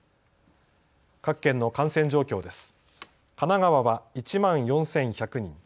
各県の感染状況です。